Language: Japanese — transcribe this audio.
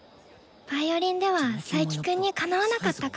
ヴァイオリンでは佐伯くんにかなわなかったから。